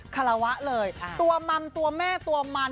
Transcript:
คาราวะเลยตัวมัมตัวแม่ตัวมัน